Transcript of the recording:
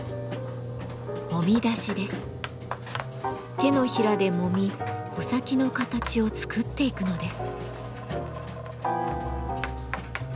手のひらでもみ穂先の形を作っていくのです。